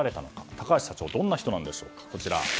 高橋社長はどんな人でしょうか。